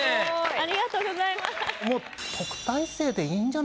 ありがとうございます。